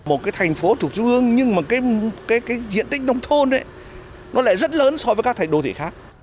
một cái thành phố trục trung ương nhưng mà cái diện tích nông thôn ấy nó lại rất lớn so với các đô thị khác